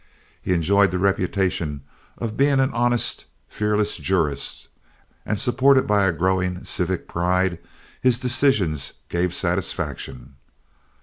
He enjoyed the reputation of being an honest, fearless jurist, and supported by a growing civic pride, his decisions gave satisfaction.